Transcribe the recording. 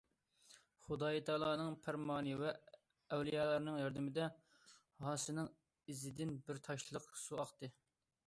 خۇدايىتائالانىڭ پەرمانى ۋە ئەۋلىيالارنىڭ ياردىمىدە، ھاسىنىڭ ئىزىدىن بىر تاشلىق سۇ ئاقتى.